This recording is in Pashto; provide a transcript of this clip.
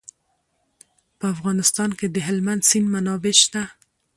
په افغانستان کې د هلمند سیند منابع شته.